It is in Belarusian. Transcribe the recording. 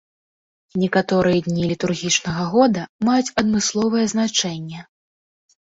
Некаторыя дні літургічнага года маюць адмысловае значэнне.